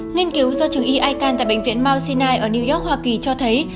nghiên cứu do trường y ican tại bệnh viện mount sinai ở new york hoa kỳ cho thấy